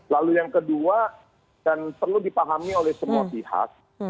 lalu yang kedua dan perlu dipahami oleh semua pihak